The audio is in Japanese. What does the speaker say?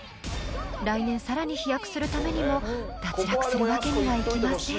［来年さらに飛躍するためにも脱落するわけにはいきません］